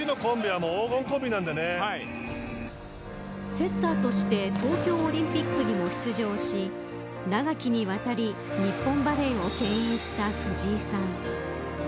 セッターとして東京オリンピックにも出場し長きにわたり日本バレーをけん引した藤井さん。